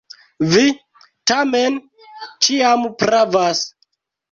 Vi, tamen, ĉiam pravas.